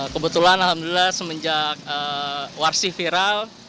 kebetulan alhamdulillah semenjak warsih viral